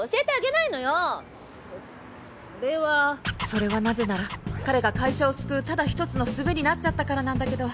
それはなぜなら彼が会社を救うただ一つのすべになっちゃったからなんだけど